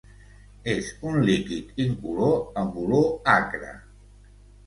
És un líquid incolor amb olor acre.